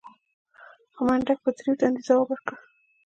خو منډک په تريو تندي ځواب ورکړ.